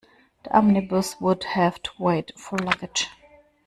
The omnibus would have to wait for luggage.